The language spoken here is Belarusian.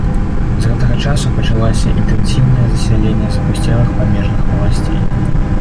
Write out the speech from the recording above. З гэтага часу пачалася інтэнсіўнае засяленне запусцелых памежных валасцей.